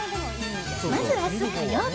まず明日、火曜日。